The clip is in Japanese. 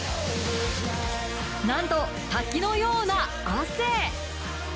なんと滝のような汗！